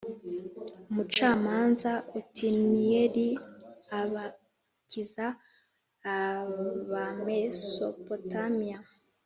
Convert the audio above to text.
Umucamanza Otiniyeli abakiza Abamesopotamiya